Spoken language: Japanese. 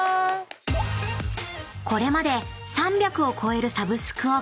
［これまで３００を超えるサブスクを経験］